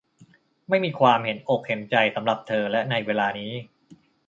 ไม่มีความเห็นอกเห็นใจสำหรับเธอแล้วในเวลานี้